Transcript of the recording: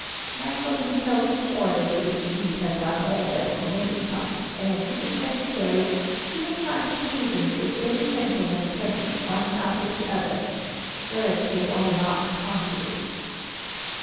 Michael himself swore that he would indeed have done all that for Meryza, and, if necessary, he would try conclusions with every gentleman present one after the other; whereat they all laughed heartily.